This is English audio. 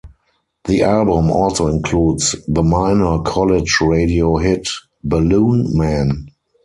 The album also includes the minor college radio hit "Balloon Man".